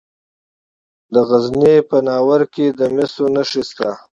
د غزني په ناور کې د مسو نښې شته.